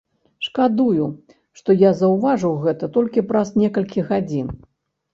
Шкадую, што я заўважыў гэта толькі праз некалькі гадзін.